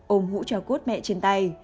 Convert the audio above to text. ông hũ cho cốt mẹ trên tay